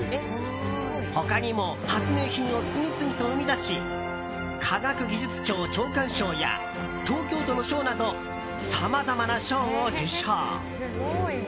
他にも発明品を次々と生み出し科学技術庁長官賞や東京都の賞などさまざまな賞を受賞。